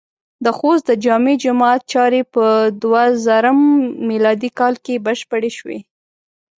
د خوست د جامع جماعت چارې په دوهزرم م کال کې بشپړې شوې.